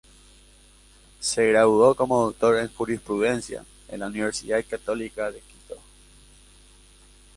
Se graduó como doctor en Jurisprudencia en la Universidad Católica de Quito.